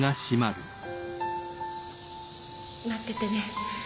待っててね。